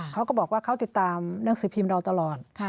เขาก็บอกว่าเขาติดตามหนังสือพิมพ์เราตลอด